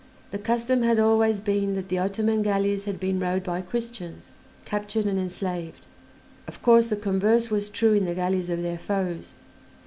The custom had always been that the Ottoman galleys had been rowed by Christians, captured and enslaved; of course the converse was true in the galleys of their foes.